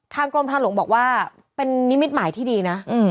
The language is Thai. กรมทางหลวงบอกว่าเป็นนิมิตหมายที่ดีนะ